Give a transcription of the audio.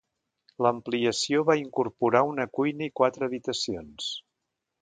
L'ampliació va incorporar una cuina i quatre habitacions.